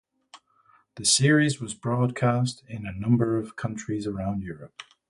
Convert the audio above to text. The series was broadcast in a number of countries around Europe.